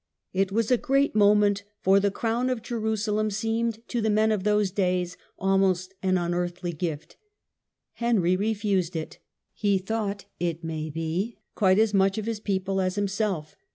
It was a great moment, for the crown of Jerusalem seemed to the men of those days almost an unearthly gift. Henry refused it. He thought, it may be, quite as much of his people as himself.